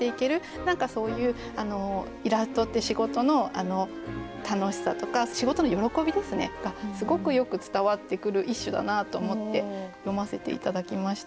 何かそういうイラストって仕事の楽しさとか仕事の喜びがすごくよく伝わってくる一首だなと思って読ませて頂きました。